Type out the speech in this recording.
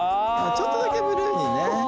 ちょっとだけブルーにね。